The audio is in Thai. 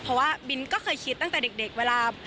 เพราะว่าบินก็เคยคิดตั้งแต่เด็กเวลา